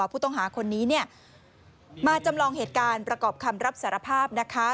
ผู้ต้องหาคนนี้เนี่ยมาจำลองเหตุการณ์ประกอบคำรับสารภาพนะคะ